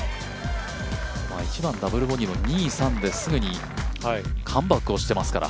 １番ダブルボギーも２、３でカムバックしていますから。